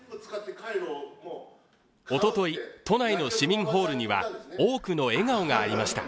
おととい、都内の市民ホールには多くの笑顔がありました。